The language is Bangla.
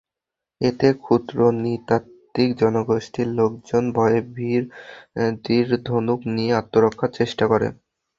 এতে ক্ষুদ্র নৃ-তাত্ত্বিক জনগোষ্ঠীর লোকজন ভয়ে তীর-ধনুক নিয়ে আত্মরক্ষার চেষ্টা করে।